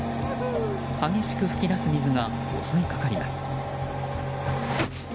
激しく噴き出す水が襲いかかります。